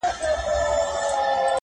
د جلادانو له تېغونو بیا د ګور تر کلي.!